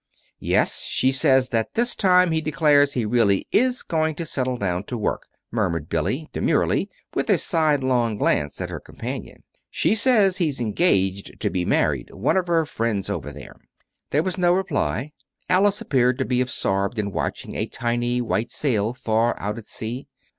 "Yes. She says that this time he declares he really is going to settle down to work," murmured Billy, demurely, with a sidelong glance at her companion. "She says he's engaged to be married one of her friends over there." There was no reply. Alice appeared to be absorbed in watching a tiny white sail far out at sea.